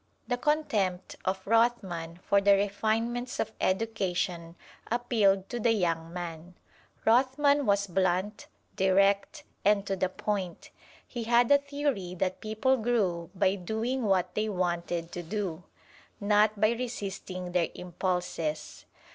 The contempt of Rothman for the refinements of education appealed to the young man. Rothman was blunt, direct, and to the point: he had a theory that people grew by doing what they wanted to do, not by resisting their impulses.